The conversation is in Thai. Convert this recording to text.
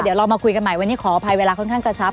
เดี๋ยวเรามาคุยกันใหม่วันนี้ขออภัยเวลาค่อนข้างกระชับ